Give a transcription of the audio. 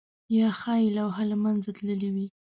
یا ښايي لوحه له منځه تللې وي؟